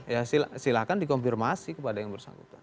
ya silahkan dikonfirmasi kepada yang bersangkutan